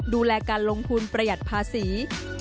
ดูแลการลงทุนประหยัดภาษี